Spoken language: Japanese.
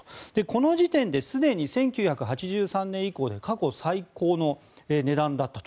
この時点ですでに１９８３年以降で過去最高の値段だった。